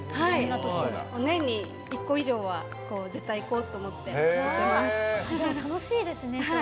年に１個以上は絶対に行こうと思って行ってます。